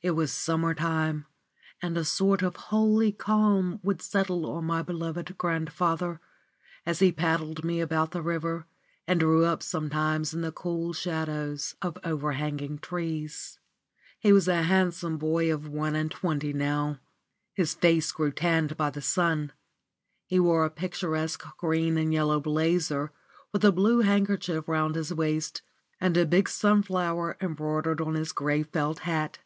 It was summer time, and a sort of holy calm would settle on my beloved grandfather, as he paddled me about the river and drew up sometimes in the cool shadows of overhanging trees. He was a handsome boy of one and twenty now. His face grew tanned by the sun. He wore a picturesque green and yellow "blazer," with a blue handkerchief round his waist and a big sunflower embroidered on his grey felt hat.